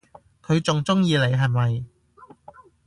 佢仲鍾意你係咪？